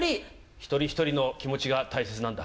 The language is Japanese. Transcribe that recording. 一人一人の気持ちが大切なんだ。